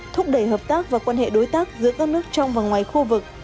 thúc đẩy hợp tác và quan hệ đối tác giữa các nước trong và ngoài khu vực